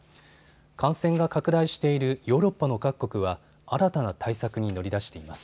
感染が拡大しているヨーロッパの各国は新たな対策に乗り出しています。